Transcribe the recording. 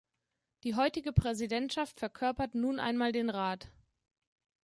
Die heutige Präsidentschaft verkörpert nun einmal den Rat.